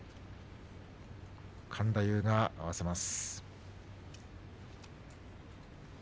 勘太夫が合わせます。